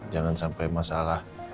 jangan sampai masalah